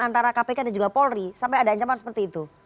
antara kpk dan juga polri sampai ada ancaman seperti itu